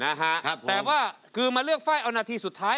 นะฮะครับแต่ว่าคือมาเลือกไฟล์เอานาทีสุดท้าย